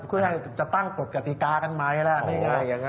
คุณให้ตั้งกฎกติกากันไหมล่ะไม่ได้อย่างนั้น